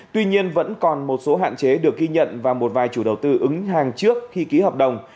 tuy nhiên vẫn còn một số hạn chế được ghi nhận và một vài chủ đầu tư ứng hàng trước khi ký hợp đồng